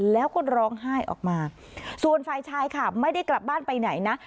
แล้วก็ร้องไห้ออกมาส่วนฝ่ายชายค่ะไม่ได้กลับบ้านไปไหนนะ